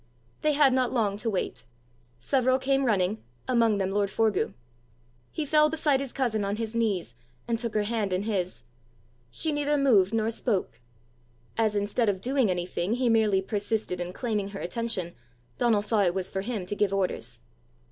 They had not long to wait. Several came running, among them lord Forgue. He fell beside his cousin on his knees, and took her hand in his. She neither moved nor spoke. As instead of doing anything he merely persisted in claiming her attention, Donal saw it was for him to give orders.